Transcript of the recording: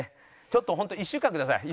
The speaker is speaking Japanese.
ちょっとホント１週間ください